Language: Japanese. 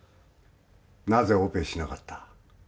なぜオペしなかった？